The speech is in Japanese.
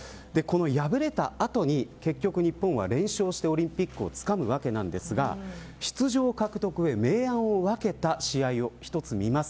敗れた後に結局、日本は連勝してオリンピックをつかむわけですが出場獲得で明暗を分けた試合を見ます。